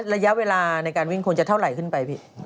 ระยะเวลาในการวิ่งควรจะเท่าไหร่ขึ้นไปพี่